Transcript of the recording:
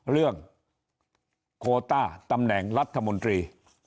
เรื่องโคต้าตำแหน่งรัฐมนตรี